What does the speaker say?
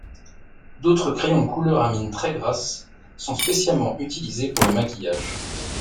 D'autres crayons de couleurs à mine très grasse sont spécialement utilisés pour le maquillage.